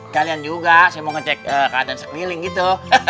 kalian juga saya mau ngecek keadaan sekeliling gitu